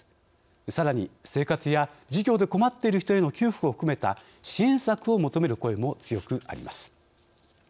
さらに、生活や事業で困っている人への給付を含めた支援策を求める声も強くあります。